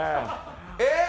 えっ？